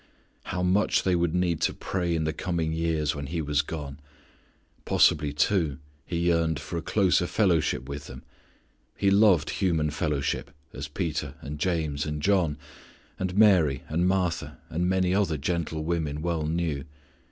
How much they would need to pray in the coming years when He was gone. Possibly, too, He yearned for a closer fellowship with them. He loved human fellowship, as Peter and James and John, and Mary and Martha and many other gentle women well knew.